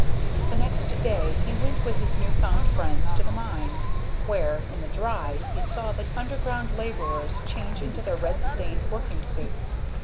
The next day he went with his new found friends to the mine, where, in the "Dry," he saw the underground laborers change into their red stained working suits.